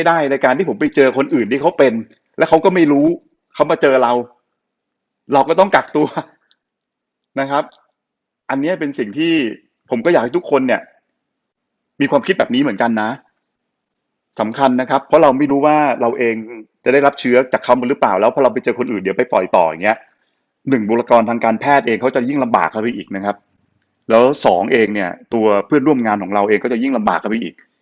อันเนี้ยเป็นสิ่งที่ผมก็อยากให้ทุกคนเนี้ยมีความคิดแบบนี้เหมือนกันนะสำคัญนะครับเพราะเราไม่รู้ว่าเราเองจะได้รับเชื้อจากเขามาหรือเปล่าแล้วพอเราไปเจอคนอื่นเดี๋ยวไปปล่อยต่ออย่างเงี้ยหนึ่งบุรกรทางการแพทย์เองเขาจะยิ่งลำบากกันไปอีกนะครับแล้วสองเองเนี้ยตัวเพื่อนร่วมงานของเราเองก็จะยิ่งลำบ